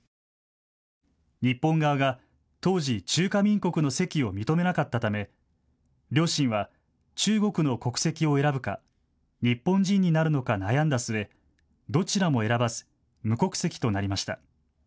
日本側が当時、中華民国の籍を認めなかったため両親は中国の国籍を選ぶか日本人になるのか悩んだ末、どちらも選ばず無国籍となりました。